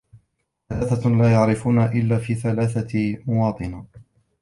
ثَلَاثَةٌ لَا يُعْرَفُونَ إلَّا فِي ثَلَاثَةِ مَوَاطِنَ